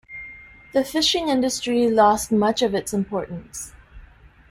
The fishing industry lost much of its importance.